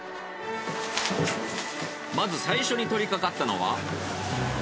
まず最初に取りかかったのは。